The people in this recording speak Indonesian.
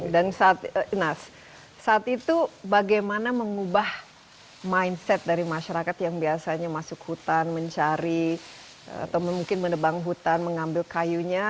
dan saat itu bagaimana mengubah mindset dari masyarakat yang biasanya masuk hutan mencari atau mungkin menebang hutan mengambil kayunya